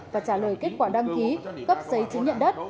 và trả lời kết quả đăng ký cấp giấy chứng nhận đất